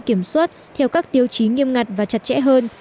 kiểm soát theo các tiêu chí nghiêm ngặt và chặt chẽ hơn